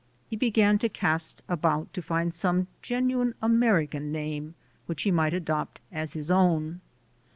He began /to cast about to find some genuine American name which he might adopt as his own.